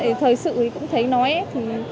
thì thời sự thì cũng thấy nói